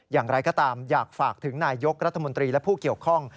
อย่างไรก็ตามอยากฝากถึงนายยกรัฐมนตรีและผู้เกี่ยวข้อง